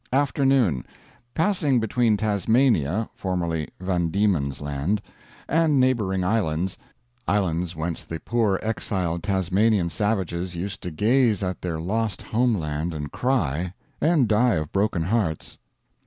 Afternoon. Passing between Tasmania (formerly Van Diemen's Land) and neighboring islands islands whence the poor exiled Tasmanian savages used to gaze at their lost homeland and cry; and die of broken hearts.